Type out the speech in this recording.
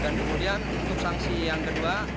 dan kemudian untuk sanksi yang kedua